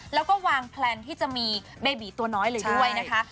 แล้วก็วางแพลนที่จะมีเบบีตัวน้อยเลยด้วยนะคะ